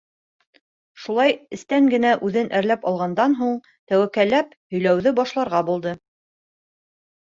Шулай эстән генә үҙен әрләп алғандан һуң, тәүәкәлләп һөйләшеүҙе башларға булды: